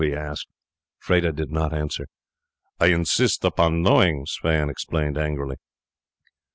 he asked. Freda did not answer. "I insist upon knowing," Sweyn exclaimed angrily.